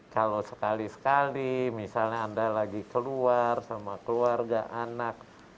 kalau sekali sekali misalnya anda lagi keluar sama keluarga anak